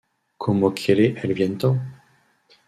Como quiere el viento.